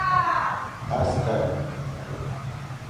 هسکه